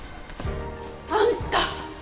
あんた！